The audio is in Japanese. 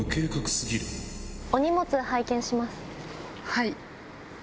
はい。